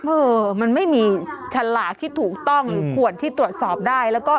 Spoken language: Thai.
เออมันไม่มีฉลากที่ถูกต้องหรือขวดที่ตรวจสอบได้แล้วก็